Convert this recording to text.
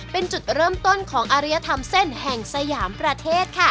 เป็นจุดเริ่มต้นของอริยธรรมเส้นแห่งสยามประเทศค่ะ